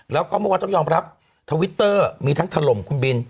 แล้วก็เมื่อวานต้องยอมรับทวิตเตอร์มีทั้งถล่มคุณบิน